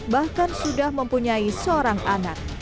bahkan sudah mempunyai seorang anak